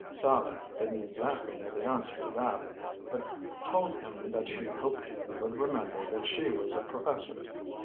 Sallie didn't exactly know the answer to that, but told him that she hoped he would remember that she was a professor.